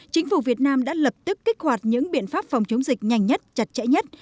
chính phủ việt nam đã lập tức kích hoạt những biện pháp phòng chống dịch nhanh nhất chặt chẽ nhất